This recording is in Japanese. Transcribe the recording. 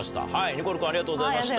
ニコル君ありがとうございました。